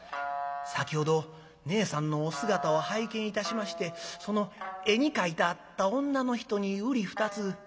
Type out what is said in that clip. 先ほどねえさんのお姿を拝見いたしましてその絵に描いてあった女の人にうり二つ。